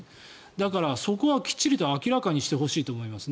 だから、そこはきっちりと明らかにしてほしいと思います。